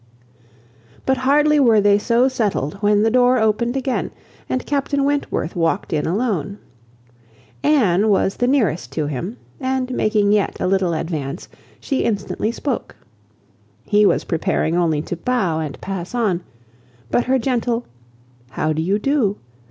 But hardly were they so settled, when the door opened again, and Captain Wentworth walked in alone. Anne was the nearest to him, and making yet a little advance, she instantly spoke. He was preparing only to bow and pass on, but her gentle "How do you do?"